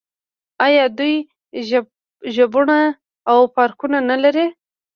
آیا دوی ژوبڼونه او پارکونه نلري؟